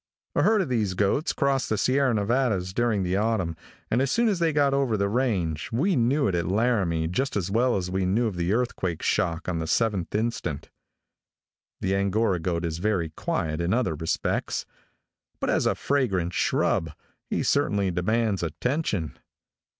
A herd of these goats crossed the Sierra Nevadas during the autumn, and as soon as they got over the range, we knew it at Laramie just as well as we knew of the earthquake shock on the 7th instant. The Angora goat is very quiet in other respects; but as a fragrant shrub, he certainly demands attention.